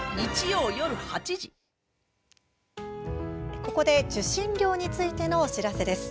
ここで受信料についてのお知らせです。